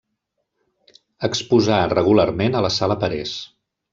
Exposà regularment a la Sala Parés.